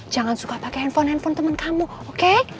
jangan suka pakai handphone handphone temen kamu oke